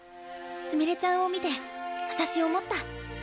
すみれちゃんを見て私思った。